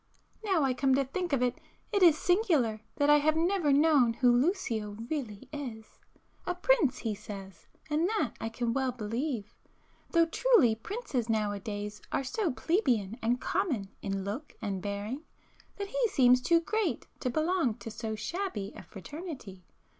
Now I come to think of it, it is singular that I have never known who Lucio really is. A prince, he says—and that I can well believe,—though truly princes now a days are so plebeian and common in look and bearing that he seems too great to belong to so shabby a fraternity.